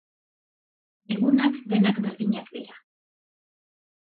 Egunak denak berdinak dira.